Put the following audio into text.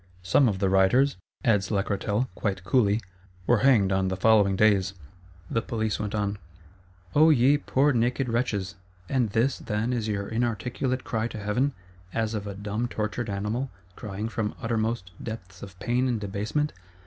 Some of the rioters," adds Lacretelle, quite coolly, "were hanged on the following days:" the Police went on. O ye poor naked wretches! and this, then, is your inarticulate cry to Heaven, as of a dumb tortured animal, crying from uttermost depths of pain and debasement?